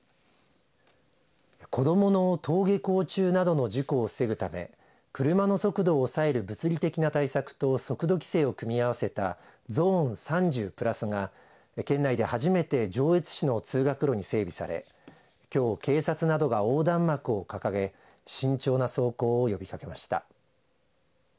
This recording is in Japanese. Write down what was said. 子どもの登下校中などの事故を防ぐため車の速度を抑える物理的な対策と速度規制を組み合わせたゾーン３０プラスが県内で初めて上越市の通学路に整備されきょう警察などが横断幕を掲げ慎重な走行を呼びかけました。